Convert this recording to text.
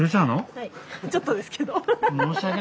はいちょっとですけど。